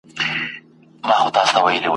د هر خره به ورته جوړه وي لغته ,